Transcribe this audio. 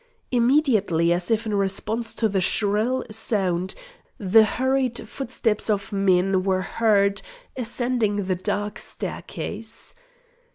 Immediately, as if in response to the shrill sound, the hurried footsteps of men were heard ascending the dark staircase.